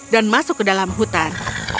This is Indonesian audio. dan masuk ke dalam hutan